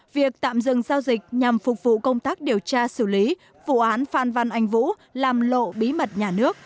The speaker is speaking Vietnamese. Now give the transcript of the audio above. việc tạm dừng giao dịch nhằm phục vụ công tác điều tra xử lý vụ án phan văn anh vũ làm lộ bí mật nhà nước